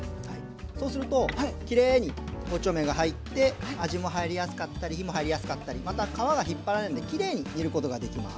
そうするときれいに包丁目が入って味も入りやすかったり火も入りやすかったりまた皮が引っ張られるのできれいに煮ることができます。